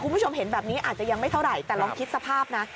คุณผู้ชมเห็นแบบนี้อาจจะยังไม่เท่าไหร่แต่ลองคิดสภาพนะ